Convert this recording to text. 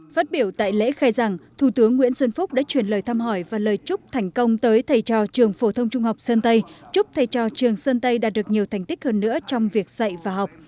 phát biểu tại lễ khai giảng thủ tướng nguyễn xuân phúc đã truyền lời thăm hỏi và lời chúc thành công tới thầy trò trường phổ thông trung học sơn tây chúc thầy trò trường sơn tây đạt được nhiều thành tích hơn nữa trong việc dạy và học